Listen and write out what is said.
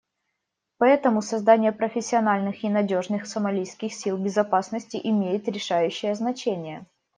Поэтому создание профессиональных и надежных сомалийских сил безопасности имеет решающее значение.